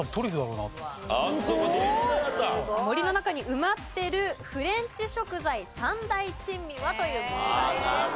「森の中に埋まってるフレンチ食材三大珍味は？」という問題でした。